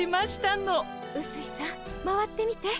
うすいさん回ってみて。